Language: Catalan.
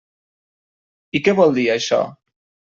I què vol dir això?